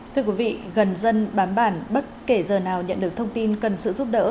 thưa quý vị gần dân bám bản bất kể giờ nào nhận được thông tin cần sự giúp đỡ